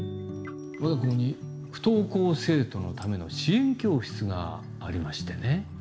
我が校に不登校生徒のための支援教室がありましてね